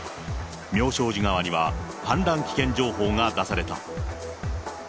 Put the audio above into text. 妙正寺川には、氾濫危険情報が出された。